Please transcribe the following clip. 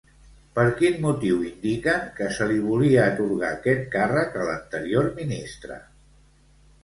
Per quin motiu indiquen que se li volia atorgar aquest càrrec a l'anterior ministre?